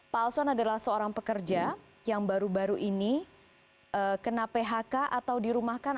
pak alson adalah seorang pekerja yang baru baru ini kena phk atau dirumahkan